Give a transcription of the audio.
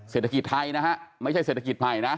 เศรษฐกิจไทยนะฮะไม่ใช่เศรษฐกิจใหม่นะ